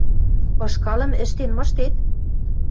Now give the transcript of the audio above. – Ышкалым «ӹштен» мыштет?